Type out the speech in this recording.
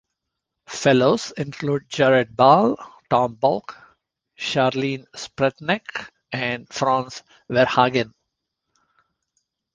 Fellows include Jared Ball, Tom Baugh, Charlene Spretnak, and Frans Verhagen.